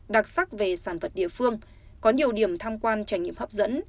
đặc sắc về sản vật địa phương có nhiều điểm tham quan trải nghiệm hấp dẫn